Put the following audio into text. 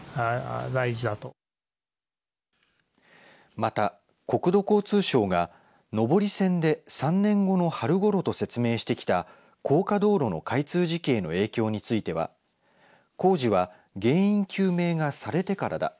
また、国土交通省が上り線で３年後の春ごろと説明してきた高架道路の開通時期への影響については工事は原因究明がされてからだ。